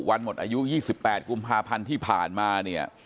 แล้วเรื่องปืนนี้คือยังไง